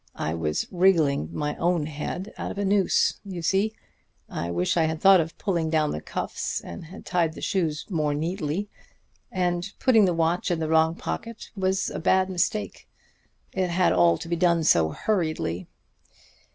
I was wriggling my own head out of a noose, you see. I wish I had thought of pulling down the cuffs, and had tied the shoes more neatly. And putting the watch in the wrong pocket was a bad mistake. It had all to be done so hurriedly.